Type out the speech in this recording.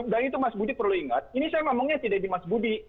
dan itu mas budi perlu ingat ini saya ngomongnya tidak di mas budi